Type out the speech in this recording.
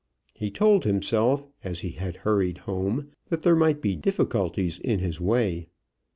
He told himself as he had hurried home that there might be difficulties in his way.